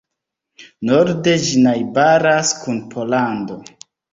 Norde ĝi najbaras kun Pollando.